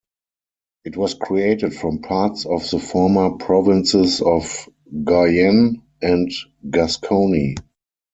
It was created from parts of the former provinces of Guyenne and Gascony.